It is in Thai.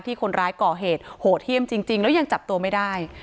คนร้ายก่อเหตุโหดเยี่ยมจริงแล้วยังจับตัวไม่ได้